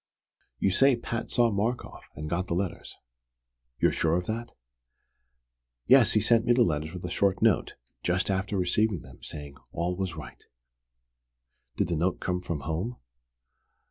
"You say Pat saw Markoff, and got the letters. You're sure of that?" "Yes, he sent me the letters with a short note, just after receiving them, saying 'all was right.'" "Did the note come from home?"